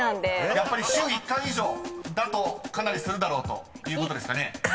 ［やっぱり週１回以上だとかなりするだろうということですかね？］